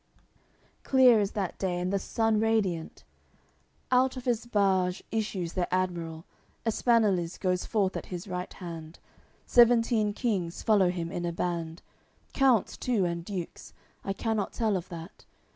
AOI. CXCII Clear is that day, and the sun radiant. Out of his barge issues their admiral, Espaneliz goes forth at his right hand, Seventeen kings follow him in a band, Counts too, and dukes; I cannot tell of that.